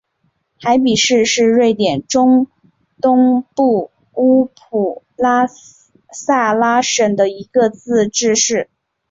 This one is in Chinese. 海比市是瑞典中东部乌普萨拉省的一个自治市。